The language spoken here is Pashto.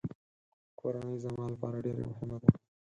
کورنۍ زما لپاره ډېره مهمه ده.